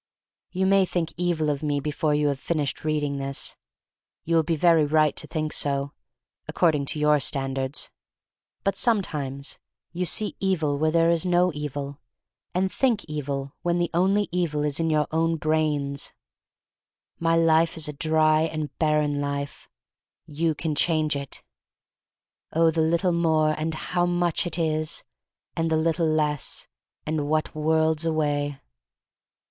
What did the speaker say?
You may think evil of me before you have finished reading this. You will be very right to think so — according to your standards. But sometimes you see THE STORY OF MARY MAC LANE 1 65 evil where there is no evil, and think evil when the only evil is in your own brains. My life is a dry and barren life. You can change it. '*0h, the little more, and how much it is! And the little less, and what worlds away."